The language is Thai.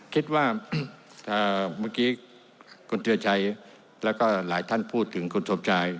คิดว่าเมื่อกี้คุณธิรชัยแล้วก็หลายท่านพูดถึงคุณสมชาย